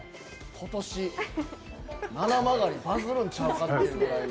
今年、ななまがりバズるんちゃうかという。